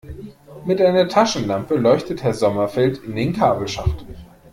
Mit einer Taschenlampe leuchtet Herr Sommerfeld in den Kabelschacht.